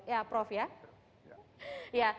ya prof ya